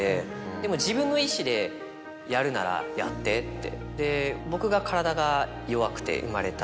でも「自分の意思でやるならやって」って。